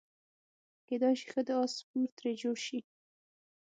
کیدای شي ښه د اس سپور ترې جوړ شي.